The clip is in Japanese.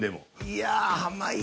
いや濱家